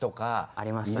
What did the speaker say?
ありましたね。